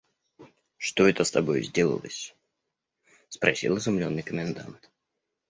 – Что это с тобою сделалось? – спросил изумленный комендант.